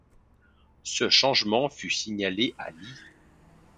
Ce changement fut signalé à Lee.